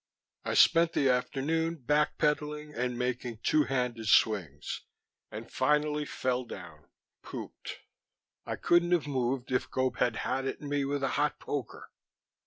I spent the afternoon back pedaling and making wild two handed swings and finally fell down pooped. I couldn't have moved if Gope had had at me with a hot poker.